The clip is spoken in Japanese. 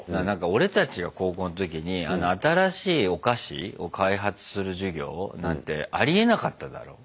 俺たちが高校の時に新しいお菓子を開発する授業なんてありえなかっただろう。